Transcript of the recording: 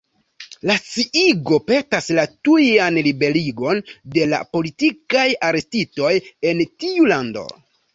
La sciigo petas la tujan liberigon de la «politikaj arestitoj» en tiu lando.